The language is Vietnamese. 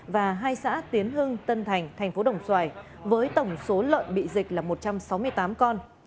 và hai xã tiến hưng tân thành thành phố đồng xoài với tổng số lợn bị dịch là một trăm sáu mươi tám con